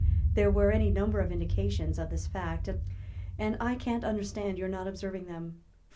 There were any number of indications of this fact, and I can't understand your not observing them.